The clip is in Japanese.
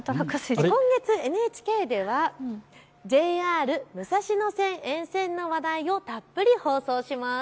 今月、ＮＨＫではＪＲ武蔵野線沿線の話題をたっぷり放送します。